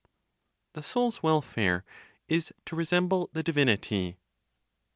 THE SOUL'S WELFARE IS TO RESEMBLE THE DIVINITY.